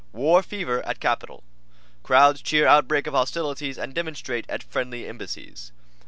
WAR FEVER AT CAPITAL Crowds Cheer Outbreak of Hostilities and Demonstrate at Friendly Embassies.